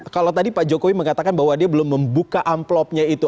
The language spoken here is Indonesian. kalau tadi pak jokowi mengatakan bahwa dia belum membuka amplopnya itu